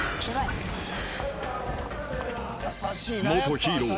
［元ヒーロー。